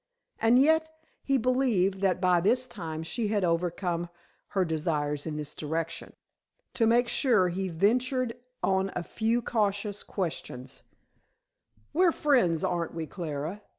And yet he believed that by this time she had overcome her desires in this direction. To make sure, he ventured on a few cautious questions. "We're friends, aren't we, Clara?"